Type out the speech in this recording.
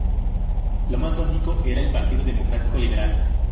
Lo más lógico era el Partido Democrático Liberal.